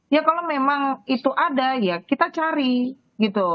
ya kalau memang itu ada ya kita cari gitu